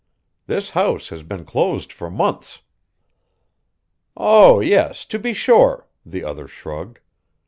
This house has been closed for months." "Oh, yes, to be sure," the other shrugged.